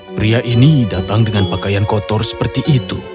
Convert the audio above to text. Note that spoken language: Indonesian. pria ini datang dengan pakaian kotor seperti itu